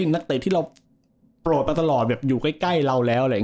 นักเตะที่เราโปรดไปตลอดอยู่ใกล้เราแล้ว